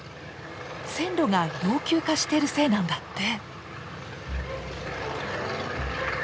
線路が老朽化してるせいなんだって。